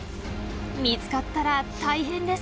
見つかったら大変です。